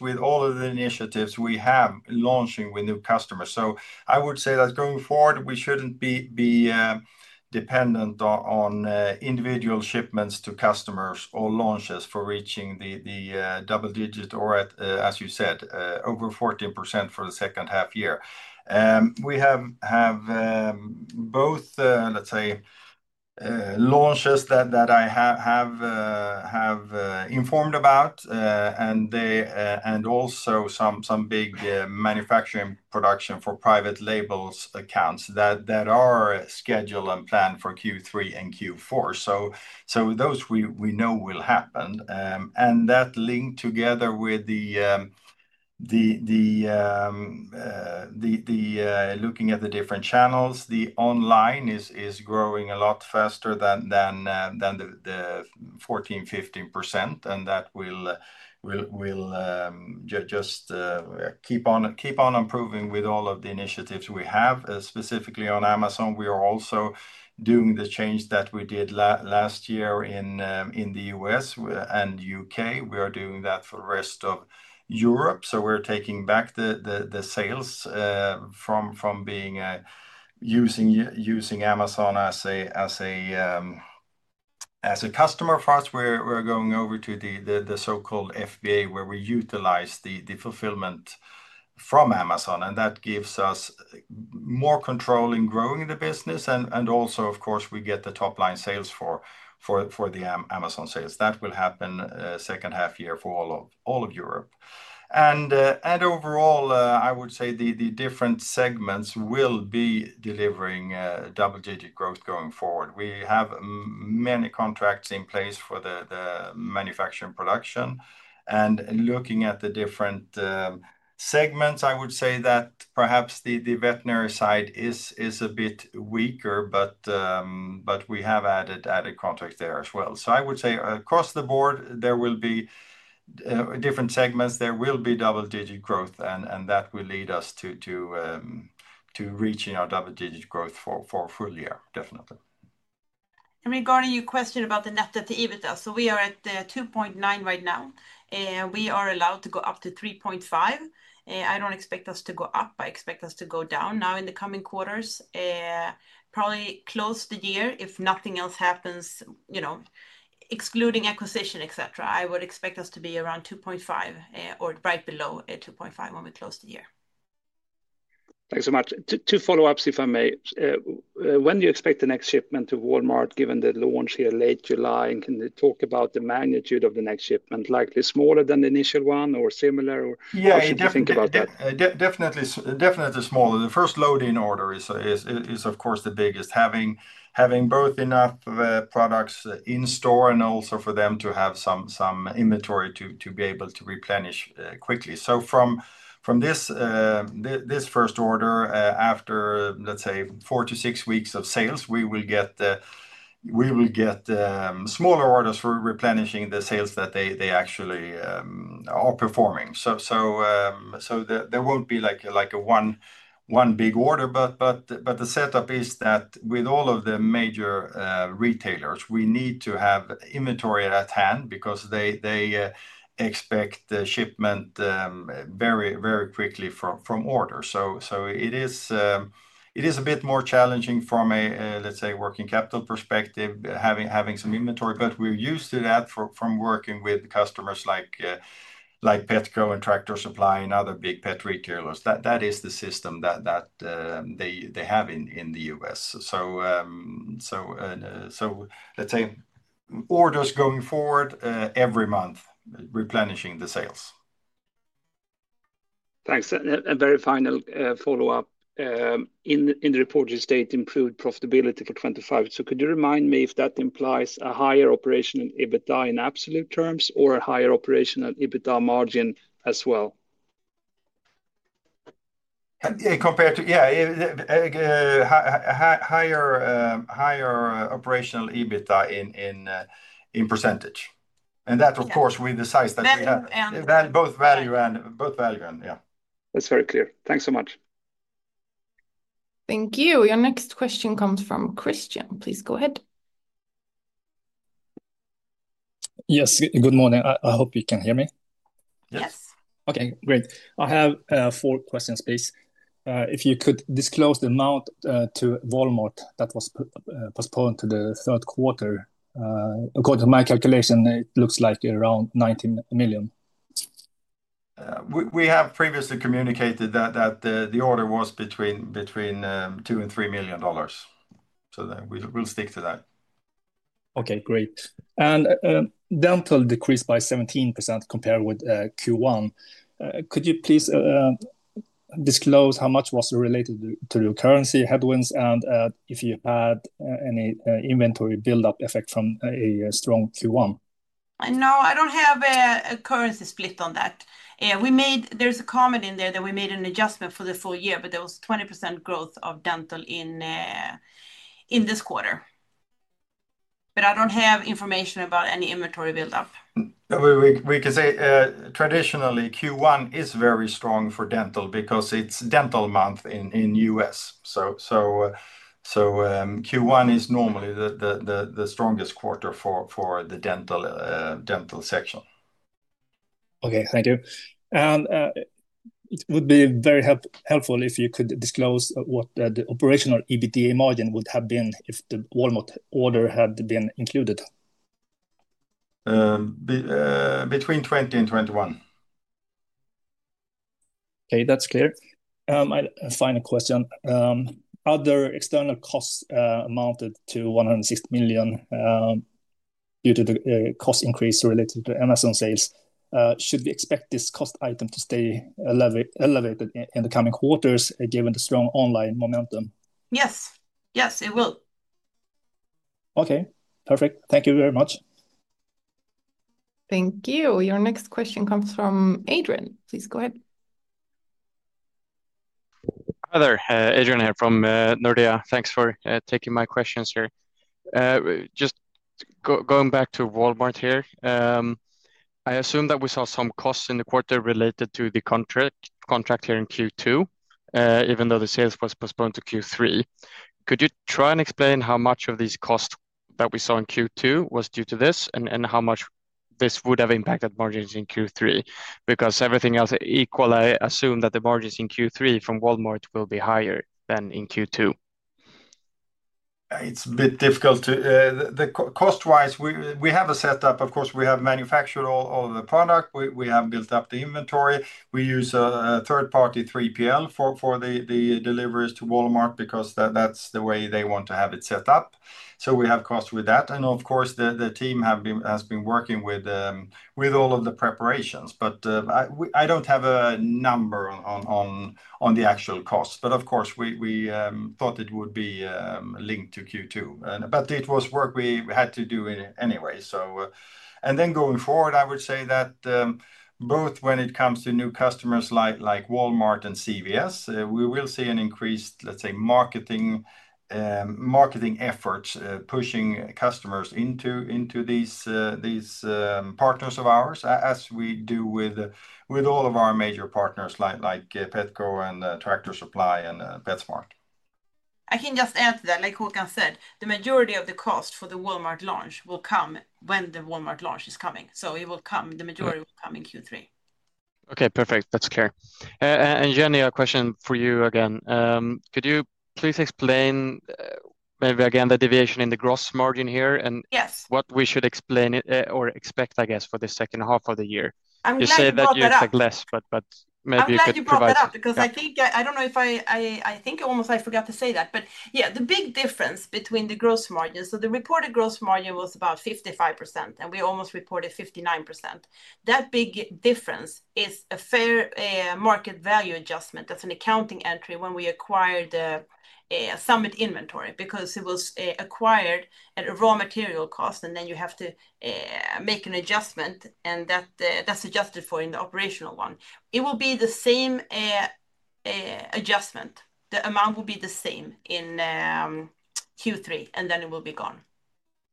With all of the initiatives we have launching with new customers, I would say that going forward, we shouldn't be dependent on individual shipments to customers or launches for reaching the double-digit or, as you said, over 14% for the second half year. We have both, let's say, launches that I have informed about and also some big manufacturing production for private label accounts that are scheduled and planned for Q3 and Q4. Those we know will happen. That linked together with looking at the different channels, the online is growing a lot faster than the 14%, 15%. That will just keep on improving with all of the initiatives we have. Specifically on Amazon, we are also doing the change that we did last year in the U.S. and U.K. We are doing that for the rest of Europe. We're taking back the sales from using Amazon as a customer for us. We're going over to the so-called FBA where we utilize the fulfillment from Amazon. That gives us more control in growing the business. Of course, we get the top line sales for the Amazon sales. That will happen second half year for all of Europe. Overall, I would say the different segments will be delivering double-digit growth going forward. We have many contracts in place for the manufacturing production. Looking at the different segments, I would say that perhaps the veterinary side is a bit weaker, but we have added contracts there as well. I would say across the board, there will be different segments. There will be double-digit growth, and that will lead us to reaching our double-digit growth for a full year, definitely. Regarding your question about the net debt/EBITDA, we are at 2.9 right now. We are allowed to go up to 3.5. I don't expect us to go up. I expect us to go down now in the coming quarters. Probably close the year, if nothing else happens, you know, excluding acquisition, et cetera, I would expect us to be around 2.5 or right below 2.5 when we close the year. Thanks so much. Two follow-ups, if I may. When do you expect the next shipment to Walmart, given the launch here late July? Can you talk about the magnitude of the next shipment, likely smaller than the initial one or similar? Yes, definitely. Definitely smaller. The first loading order is, of course, the biggest, having both enough products in store and also for them to have some inventory to be able to replenish quickly. From this first order, after, let's say, four to six weeks of sales, we will get smaller orders for replenishing the sales that they actually are performing. There won't be like one big order, but the setup is that with all of the major retailers, we need to have inventory at hand because they expect shipment very, very quickly from orders. It is a bit more challenging from a, let's say, working capital perspective, having some inventory, but we're used to that from working with customers like Petco and Tractor Supply and other big pet retailers. That is the system that they have in the U.S. Orders going forward every month, replenishing the sales. Thanks. Very final follow-up. In the report, you state improved profitability for 2025. Could you remind me if that implies a higher operational EBITDA in absolute terms or a higher operational EBITDA margin as well? Compared to higher operational EBITDA in percentage. That, of course, we decide that both value and, yeah, both value and, yeah. That's very clear. Thanks so much. Thank you. Your next question comes from Christian. Please go ahead. Yes, good morning. I hope you can hear me. Yes. Okay, great. I have four questions, please. If you could disclose the amount to Walmart that was postponed to the third quarter, according to my calculation, it looks like around $19 million. We have previously communicated that the order was between $2 million and $3 million. We'll stick to that. Okay, great. Dental decreased by 17% compared with Q1. Could you please disclose how much was related to your currency headwinds, and if you had any inventory build-up effect from a strong Q1? No, I don't have a currency split on that. There's a comment in there that we made an adjustment for the full year, but there was 20% growth of dental in this quarter. I don't have information about any inventory build-up. We can say traditionally Q1 is very strong for dental because it's dental month in the U.S. Q1 is normally the strongest quarter for the dental section. Thank you. It would be very helpful if you could disclose what the operational EBITDA margin would have been if the Walmart order had been included. Between 20 and 21. Okay, that's clear. Final question. Are there external costs amounted to $160 million due to the cost increase related to Amazon sales? Should we expect this cost item to stay elevated in the coming quarters given the strong online momentum? Yes, yes, it will. Okay, perfect. Thank you very much. Thank you. Your next question comes from Adrian. Please go ahead. Hi there. Adrian Elmlund from Nordea. Thanks for taking my questions here. Just going back to Walmart here, I assume that we saw some costs in the quarter related to the contract here in Q2, even though the sales was postponed to Q3. Could you try and explain how much of these costs that we saw in Q2 was due to this and how much this would have impacted margins in Q3? Because everything else equally, I assume that the margins in Q3 from Walmart will be higher than in Q2. It's a bit difficult. Cost-wise, we have a setup. Of course, we have manufactured all the product. We have built up the inventory. We use a third-party 3PL for the deliveries to Walmart because that's the way they want to have it set up. We have costs with that. Of course, the team has been working with all of the preparations. I don't have a number on the actual costs. Of course, we thought it would be linked to Q2. It was work we had to do anyway. Going forward, I would say that both when it comes to new customers like Walmart and CVS, we will see an increased, let's say, marketing effort pushing customers into these partners of ours as we do with all of our major partners like Petco and Tractor Supply and PetSmart. I can just add to that, like Håkan said, the majority of the cost for the Walmart launch will come when the Walmart launch is coming. It will come, the majority will come in Q3. Okay, perfect. That's clear. Jenny, a question for you again. Could you please explain maybe again the deviation in the gross margin here and what we should explain or expect, I guess, for the second half of the year? You say that you expect less, but maybe you could provide that. I'll just sum it up because I think I almost forgot to say that. The big difference between the gross margin, the reported gross margin was about 55%, and we almost reported 59%. That big difference is a fair market value adjustment. That's an accounting entry when we acquired the Summit inventory because it was acquired at a raw material cost, and then you have to make an adjustment, and that's adjusted for in the operational one. It will be the same adjustment. The amount will be the same in Q3, and then it will be gone.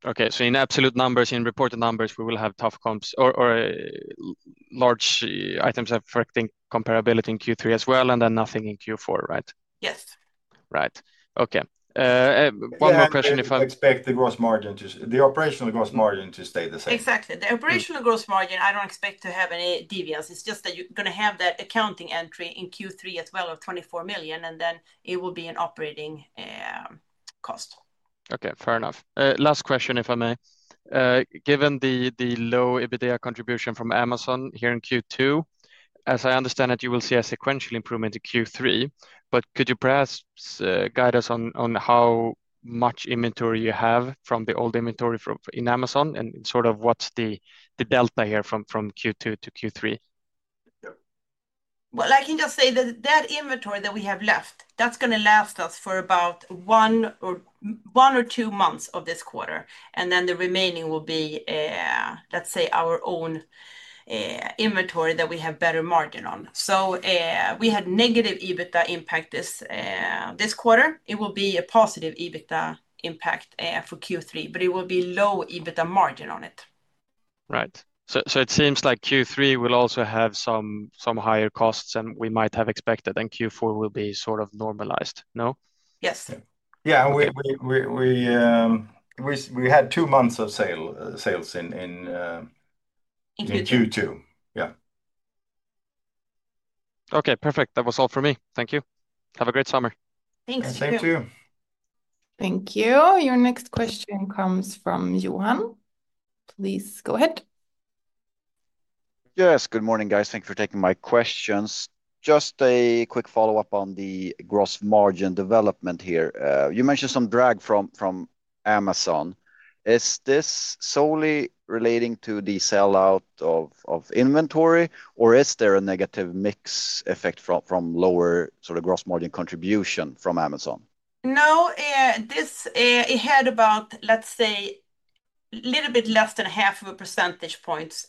Okay, so in absolute numbers, in reported numbers, we will have tough comps or large items affecting comparability in Q3 as well, and then nothing in Q4, right? Yes. Right. Okay. One more question. We expect the gross margin, the operational gross margin to stay the same. Exactly. The operational gross margin, I don't expect to have any deviance. It's just that you're going to have that accounting entry in Q3 as well of $24 million, and then it will be an operating cost. Okay, fair enough. Last question, if I may. Given the low EBITDA contribution from Amazon here in Q2, as I understand it, you will see a sequential improvement in Q3, but could you perhaps guide us on how much inventory you have from the old inventory in Amazon, and sort of what's the delta here from Q2 to Q3? That inventory that we have left, that's going to last us for about one or two months of this quarter, and then the remaining will be, let's say, our own inventory that we have better margin on. We had negative EBITDA impact this quarter. It will be a positive EBITDA impact for Q3, but it will be low EBITDA margin on it. Right. It seems like Q3 will also have some higher costs than we might have expected, and Q4 will be sort of normalized, no? Yes. Yeah, we had two months of sales in Q2. Yeah. Okay, perfect. That was all for me. Thank you. Have a great summer. Thanks. Thank you. Thank you. Your next question comes from Johan. Please go ahead. Yes, good morning guys. Thank you for taking my questions. Just a quick follow-up on the gross margin development here. You mentioned some drag from Amazon. Is this solely relating to the sell-out of inventory, or is there a negative mix effect from lower sort of gross margin contribution from Amazon? No, this had about, let's say, a little bit less than half of a percentage point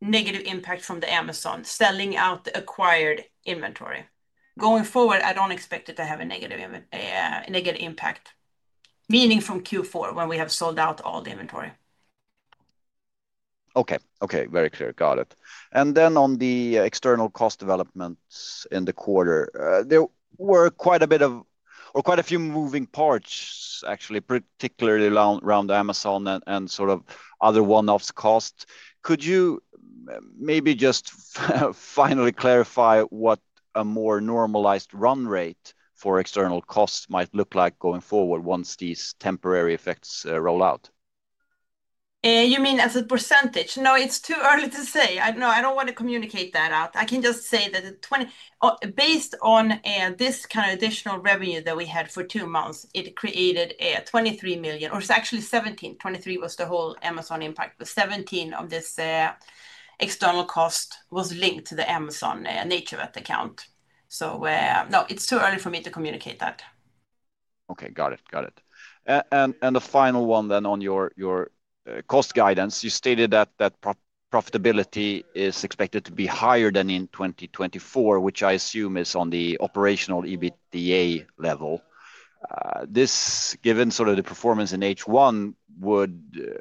negative impact from Amazon selling out the acquired inventory. Going forward, I don't expect it to have a negative impact, meaning from Q4 when we have sold out all the inventory. Okay, very clear. Got it. On the external cost developments in the quarter, there were quite a few moving parts, actually, particularly around Amazon and sort of other one-offs cost. Could you maybe just finally clarify what a more normalized run rate for external costs might look like going forward once these temporary effects roll out? You mean as a percentage? No, it's too early to say. No, I don't want to communicate that out. I can just say that based on this kind of additional revenue that we had for two months, it created 23 million, or it's actually 17 million. 23 million was the whole Amazon impact, but 17 million of this external cost was linked to the Amazon NaturVet account. No, it's too early for me to communicate that. Okay, got it, got it. The final one then on your cost guidance, you stated that profitability is expected to be higher than in 2024, which I assume is on the operational EBITDA level. This, given sort of the performance in H1, would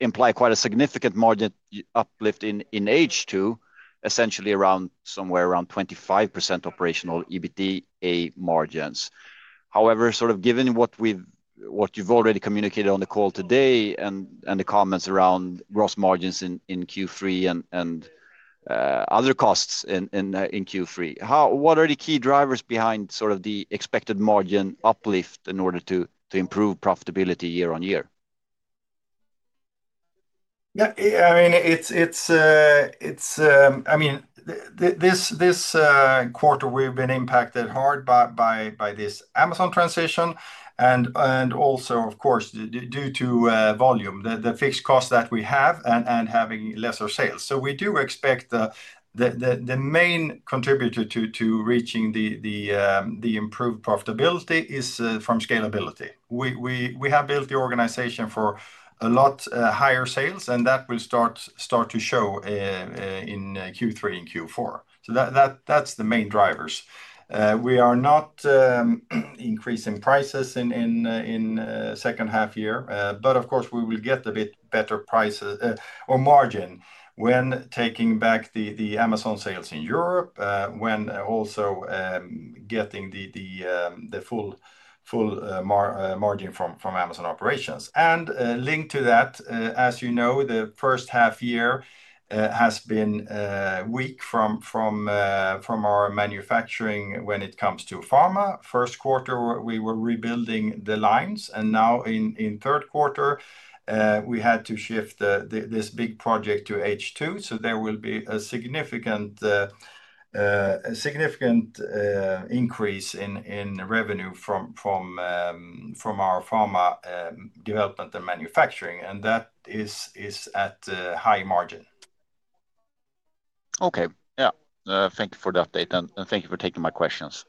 imply quite a significant margin uplift in H2, essentially around somewhere around 25% operational EBITDA margins. However, given what you've already communicated on the call today and the comments around gross margins in Q3 and other costs in Q3, what are the key drivers behind the expected margin uplift in order to improve profitability year-on-year? Yeah, I mean, this quarter we've been impacted hard by this Amazon transition and also, of course, due to volume, the fixed costs that we have and having lesser sales. We do expect the main contributor to reaching the improved profitability is from scalability. We have built the organization for a lot higher sales, and that will start to show in Q3 and Q4. That's the main drivers. We are not increasing prices in the second half year, but, of course, we will get a bit better prices or margin when taking back the Amazon sales in Europe, when also getting the full margin from Amazon operations. Linked to that, as you know, the first half year has been weak from our manufacturing when it comes to pharma. First quarter, we were rebuilding the lines, and now in third quarter, we had to shift this big project to H2. There will be a significant increase in revenue from our pharma development and manufacturing, and that is at high margin. Okay, yeah. Thank you for the update, and thank you for taking my questions.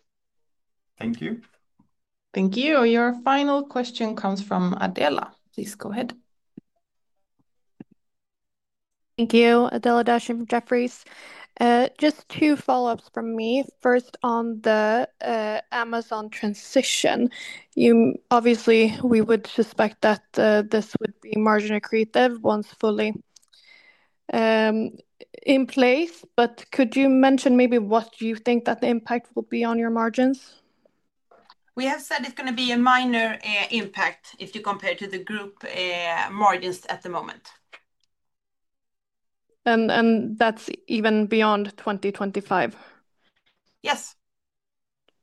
Thank you. Thank you. Your final question comes from Adela. Please go ahead. Thank you, Adela Dashin, Jefferies. Just two follow-ups from me. First, on the Amazon transition, obviously, we would suspect that this would be margin accretive once fully in place, but could you mention maybe what you think that the impact will be on your margins? We have said it's going to be a minor impact if you compare to the group margins at the moment. That's even beyond 2025? Yes.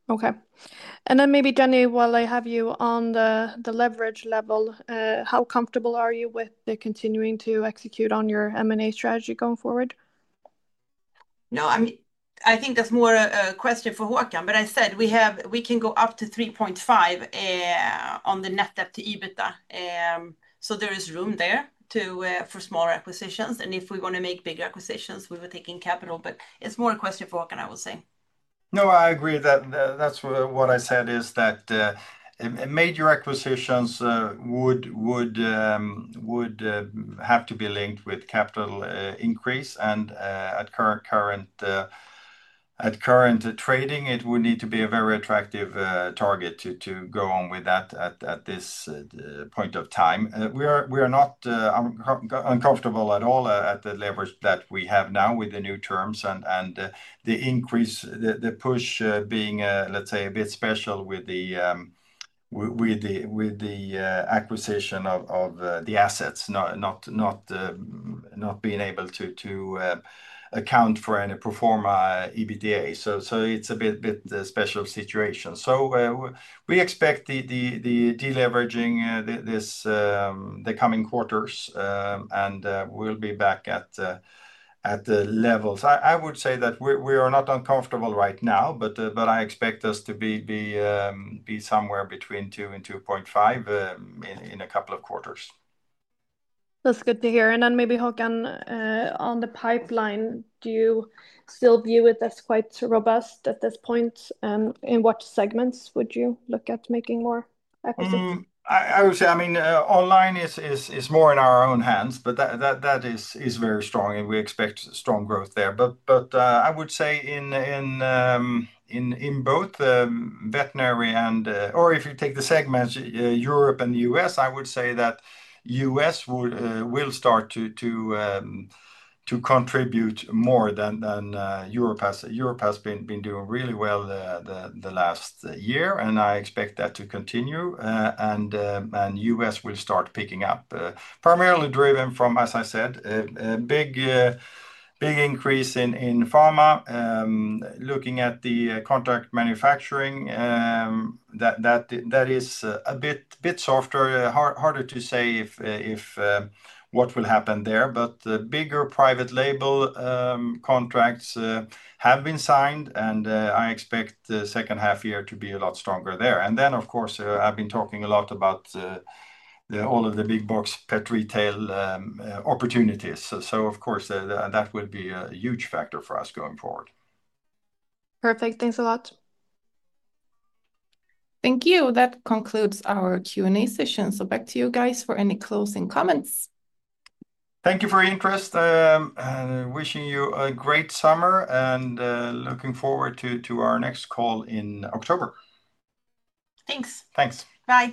Okay. Jenny, while I have you on the leverage level, how comfortable are you with continuing to execute on your M&A strategy going forward? No, I think that's more a question for Håkan, but I said we can go up to 3.5 on the net debt/EBITDA. There is room there for smaller acquisitions, and if we want to make bigger acquisitions, we were taking capital, but it's more a question for Håkan, I would say. No, I agree that that's what I said is that major acquisitions would have to be linked with capital increase, and at current trading, it would need to be a very attractive target to go on with that at this point of time. We are not uncomfortable at all at the leverage that we have now with the new terms and the increase, the push being, let's say, a bit special with the acquisition of the assets, not being able to account for any pro forma EBITDA. It is a bit of a special situation. We expect the deleveraging this the coming quarters, and we'll be back at the levels. I would say that we are not uncomfortable right now, but I expect us to be somewhere between 2 and 2.5 in a couple of quarters. That's good to hear. Maybe, Håkan, on the pipeline, do you still view it as quite robust at this point? In what segments would you look at making more? I would say, online is more in our own hands, but that is very strong, and we expect strong growth there. I would say in both veterinary and, or if you take the segments, Europe and the U.S., I would say that the U.S. will start to contribute more than Europe has. Europe has been doing really well the last year, and I expect that to continue, and the U.S. will start picking up. Primarily driven from, as I said, a big increase in pharma. Looking at the contract manufacturing, that is a bit softer, harder to say what will happen there, but bigger private label contracts have been signed, and I expect the second half year to be a lot stronger there. Of course, I've been talking a lot about all of the big box pet retail opportunities. That will be a huge factor for us going forward. Perfect. Thanks a lot. Thank you. That concludes our Q&A session. Back to you guys for any closing comments. Thank you for your interest. Wishing you a great summer and looking forward to our next call in October. Thanks. Thanks. Bye.